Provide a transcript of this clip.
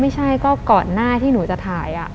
ไม่ใช่ก็ก่อนหน้าที่หนูจะถ่าย